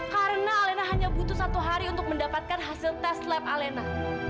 karena elena hanya butuh satu hari untuk mendapatkan hasil tes lab elena